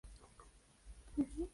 El plato puede ir acompañado con ají.